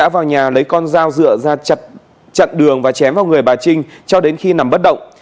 bà lấy con dao dựa ra chặt đường và chém vào người bà trinh cho đến khi nằm bất động